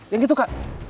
yang itu kak